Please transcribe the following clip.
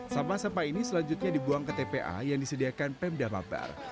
sampah sampah ini selanjutnya dibuang ke tpa yang disediakan pemda baper